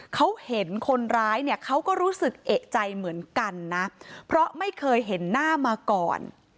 เขาเห็นคนร้ายเนี่ยเขาก็รู้สึกเอกใจเหมือนกันนะเพราะไม่เคยเห็นหน้ามาก่อน